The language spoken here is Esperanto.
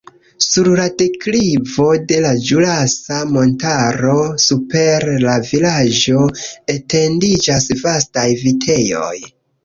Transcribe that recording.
Sur la deklivo de la Ĵurasa Montaro super la vilaĝo etendiĝas vastaj vitejoj.